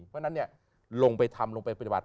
เพราะฉะนั้นลงไปทำลงไปปฏิบัติ